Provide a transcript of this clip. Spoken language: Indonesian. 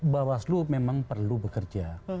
bawah seluruh memang perlu bekerja